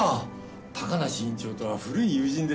高梨院長とは古い友人でしてね。